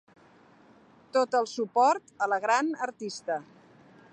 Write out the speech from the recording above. Tot el suport a la gran artista.